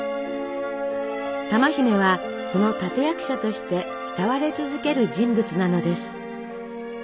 珠姫はその立て役者として慕われ続ける人物なのです。